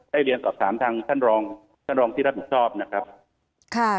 ใช้เลี้ยงศัพท์๓ทางท่านรองที่รับผิดชอบนะครับ